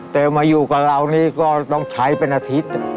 แต่มาอยู่กับเรานี่ก็ต้องใช้เป็นอาทิตย์